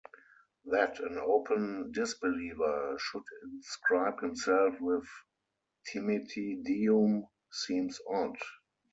That an open disbeliever should inscribe himself with Timete Deum seems odd.